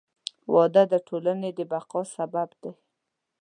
• واده د ټولنې د بقا سبب دی.